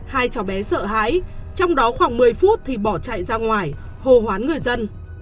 hai cháu bé sợ hãi trong đó khoảng một mươi phút thì bỏ chạy ra ngoài hô hoán người dân